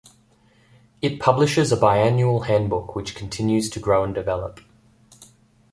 It publishes a bi-annual handbook which continues to grow and develop.